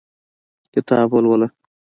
کتاب ولوله